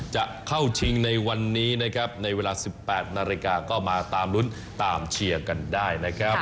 จะเข้าชิงในวันนี้นะครับในเวลา๑๘นาฬิกาก็มาตามลุ้นตามเชียร์กันได้นะครับ